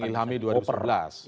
bisa mengilhami dua ribu sebelas